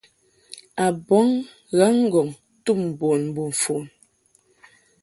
A bɔŋ ghaŋ-ŋgɔŋ tum bun mbo mfon.